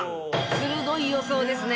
鋭い予想ですね。